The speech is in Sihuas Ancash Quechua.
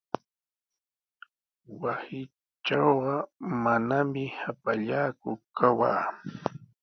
Wasiitrawqa manami hapallaaku kawaa.